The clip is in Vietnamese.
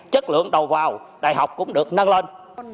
chất lượng đầu vào đại học cũng được nâng lên